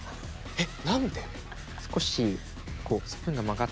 えっ！